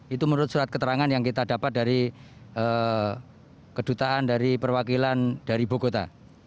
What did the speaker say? itu menurut surat keterangan yang kita dapat dari kedutaan dari perwakilan dari buku kota